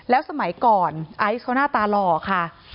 แล้วสมัยก่อนไอซ์เขาหน้าตาหล่อค่ะ